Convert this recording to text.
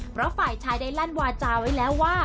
เพราะฝ่ายชายได้ลั่นวาจาไว้แล้วว่า